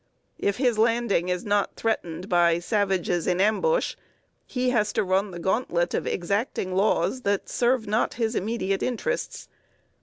If his landing is not threatened by savages in ambush, he has to run the gauntlet of exacting laws that serve not his immediate interests.